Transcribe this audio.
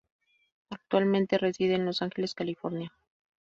Actualmente reside en Los Angeles, California.